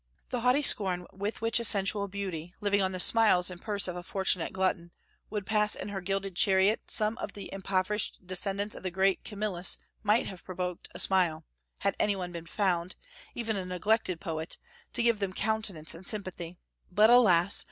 The haughty scorn with which a sensual beauty, living on the smiles and purse of a fortunate glutton, would pass in her gilded chariot some of the impoverished descendants of the great Camillus might have provoked a smile, had any one been found, even a neglected poet, to give them countenance and sympathy. But, alas!